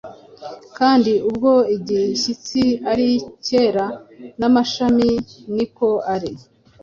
kandi ubwo igishyitsi ari icyera, n’amashami ni ko ari.”